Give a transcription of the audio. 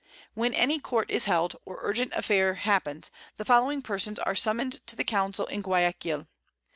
When any Court is held, or urgent Affair happens, the following Persons are summon'd to the Council in Guiaquil.